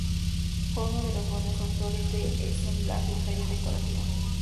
Fue uno de los buenos autores de ensamblaje y talla decorativa.